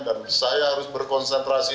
dan saya harus berkonsentrasi